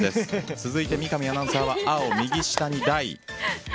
続いて、三上アナウンサーは青、右下に大。